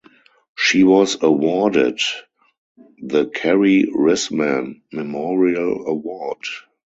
She was awarded the Carey Risman Memorial Award.